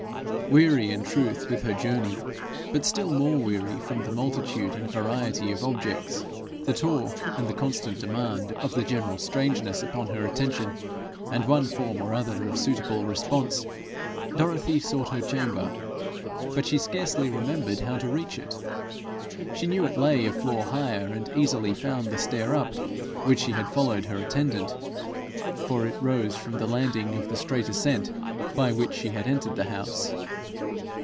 Weary in truth with her journey, but still more weary from the multitude and variety of objects, the talk, and the constant demand of the general strangeness upon her attention and one form or other of suitable response, Dorothy sought her chamber. But she scarcely remembered how to reach it. She knew it lay a floor higher, and easily found the stair up which she had followed her attendant, for it rose from the landing of the straight ascent by which she had entered the house.